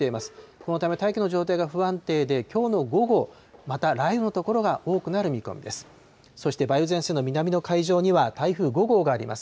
このため、大気の状態が不安定で、きょうの午後、また雷雨の所が多くなる見込みです。